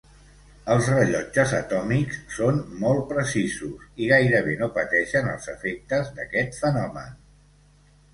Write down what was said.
Els rellotges atòmics són molt precisos i gairebé no pateixen els efectes d'aquest fenomen.